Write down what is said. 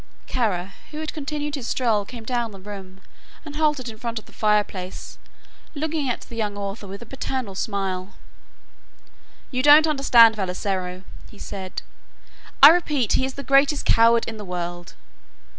Kara who had continued his stroll came down the room and halted in front of the fireplace looking at the young author with a paternal smile. "You don't understand Vassalaro," he said; "I repeat he is the greatest coward in the world.